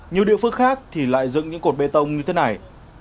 nhiều địa phương khác thì lại dựng những cột bê tông như thế này